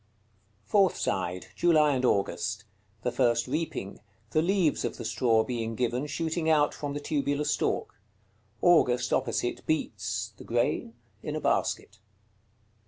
Fourth side. July and August. The first reaping; the leaves of the straw being given, shooting out from the tubular stalk. August, opposite, beats (the grain?) in a basket.